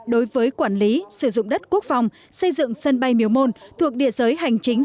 đối với quản lý sử dụng đất quốc phòng xây dựng sân bay miếu môn thuộc địa giới hành chính